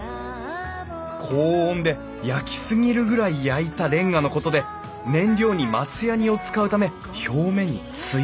高温で焼き過ぎるぐらい焼いたれんがのことで燃料に松ヤニを使うため表面に艶が出る。